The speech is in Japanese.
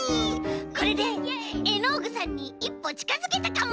これでエノーグさんにいっぽちかづけたかも！